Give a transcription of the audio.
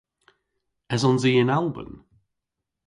Esons i yn Alban?